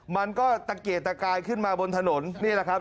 มันก็ตะเกียกตะกายขึ้นมาบนถนนนี่แหละครับ